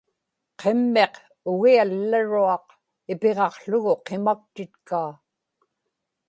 qimmiq ugiallaruaq ipiġaqługu qimaktitkaa